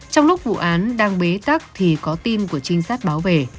trong lúc vụ án đang bế tắc thì có tin của trinh sát bảo vệ